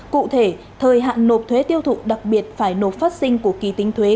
cụ thể thời hạn nộp thuế tiêu thụ đặc biệt phải nộp phát sinh của kỳ tính thuế